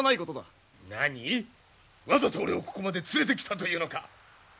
わざと俺をここまで連れてきたというのか！